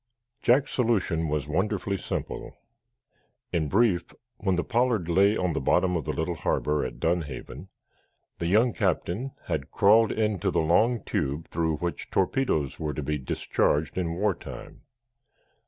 Jack's solution was wonderfully simple. In brief, when the "Pollard" lay on the bottom of the little harbor at Dunhaven, the young captain had crawled into the long tube through which torpedoes were to be discharged in war time.